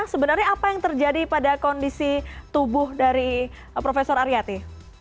sebenarnya apa yang terjadi pada kondisi tubuh dari prof aryati